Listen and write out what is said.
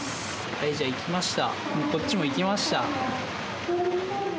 はいじゃあいきました。